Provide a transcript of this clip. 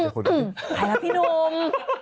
ใครรับพี่นุม